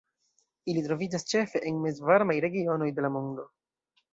Ili troviĝas ĉefe en mezvarmaj regionoj de la mondo.